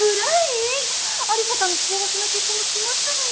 有沙さんの幸せな結婚が決まったのよ？